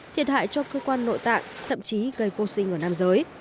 thiệt hại cho cơ quan nội tạng thậm chí gây vô sinh ở nam giới